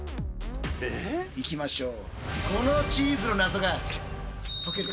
ええ？いきましょう。